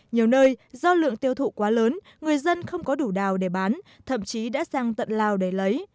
nhiều nơi do lượng tiêu thụ quá lớn người dân không có đủ đào để bán thậm chí đã sang tận lào để lấy